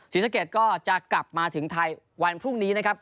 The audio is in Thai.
ศรีสะเกดก็จะกลับมาถึงไทยวันพรุ่งนี้นะครับ